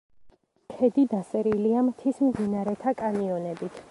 ქედი დასერილია მთის მდინარეთა კანიონებით.